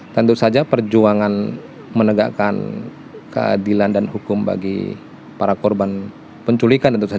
tentu saja perjuangan menegakkan keadilan dan hukum bagi para korban penculikan tentu saja